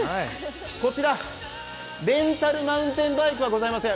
こちら、レンタルマウンテンバイクはございません。